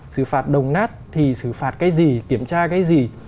xử phạt đồng nát thì xử phạt cái gì kiểm tra cái gì